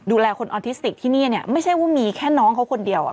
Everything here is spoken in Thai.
ดูแลคนออทิสติกที่นี่เนี่ยไม่ใช่ว่ามีแค่น้องเขาคนเดียวอ่ะ